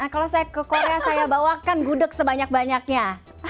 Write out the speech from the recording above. kalau saya ke korea saya bawakan gudeg sebanyak banyaknya